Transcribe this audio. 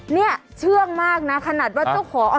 เนี่ยเชื่องมากนะขนาดว่าเจ้าของ